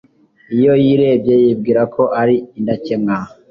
iyo yirebye yibwira ko ari indakemwa